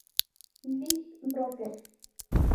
Lee Rocker.